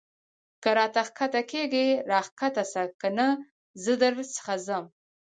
که را کښته کېږې را کښته سه کنې زه در څخه ځم.